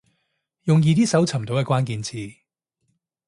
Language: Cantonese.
用易啲搜尋到嘅關鍵字